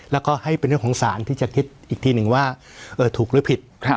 แล้วก็ให้เป็นเรื่องของสารที่จะคิดอีกทีหนึ่งว่าถูกหรือผิด